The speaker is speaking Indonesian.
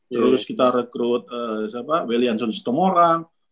terus kita rekrut siapa weli hanson setengah orang